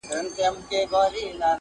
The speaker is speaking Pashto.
اوس یې زیارت ته په سېلونو توتکۍ نه راځي٫